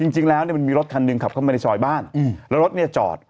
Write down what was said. จริงแล้วเนี่ยมันมีรถคันหนึ่งขับเข้ามาในซอยบ้านแล้วรถเนี่ยจอด